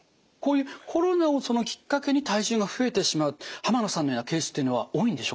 コロナをきっかけに体重が増えてしまう濱野さんのようなケースっていうのは多いんでしょうか？